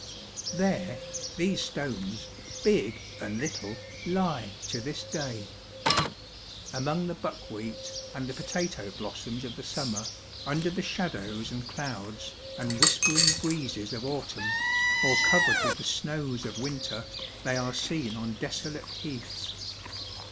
There, these stones, big and little, lie to this day. Among the buckwheat, and the potato blossoms of the summer, under the shadows and clouds, and whispering breezes of autumn, or covered with the snows of winter, they are seen on desolate heaths.